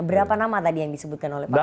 berapa nama tadi yang disebutkan oleh pak jokowi